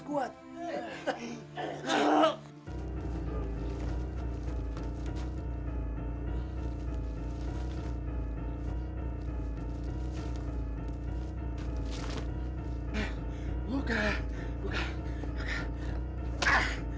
aku jadi orang kaya